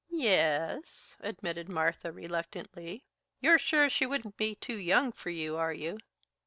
"Ye es," admitted Marthy reluctantly. "You're sure she wouldn't be too young for you, are you?"